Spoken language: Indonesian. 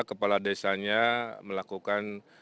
kepala desanya melakukan